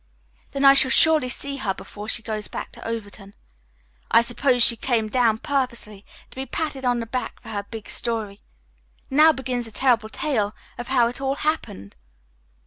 "Then I shall surely see her before she goes back to Overton. I suppose she came down purposely to be patted on the back for her big story. Now begin the terrible tale of how it all happened."